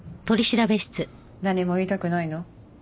何も言いたくないの？